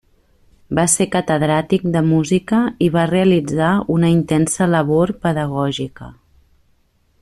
Va ser catedràtic de música i va realitzar una intensa labor pedagògica.